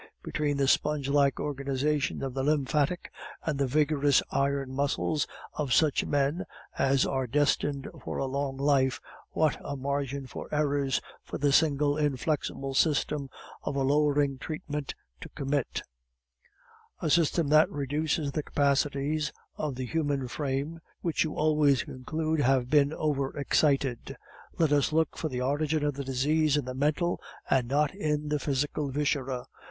Between the sponge like organizations of the lymphatic and the vigorous iron muscles of such men as are destined for a long life, what a margin for errors for the single inflexible system of a lowering treatment to commit; a system that reduces the capacities of the human frame, which you always conclude have been over excited. Let us look for the origin of the disease in the mental and not in the physical viscera.